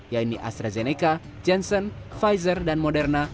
yaitu astrazeneca jensen pfizer dan moderna